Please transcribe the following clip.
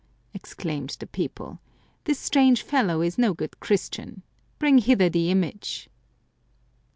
" exclaimed the people ;" this strange fellow is no good Christian. Bring hither the image."